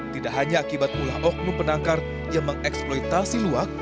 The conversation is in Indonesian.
tidak hanya akibat ulah oknum penangkar yang mengeksploitasi luak